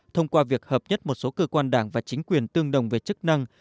thông qua việc hợp nhất một số cơ quan đảng và chính quyền tương đồng về chức năng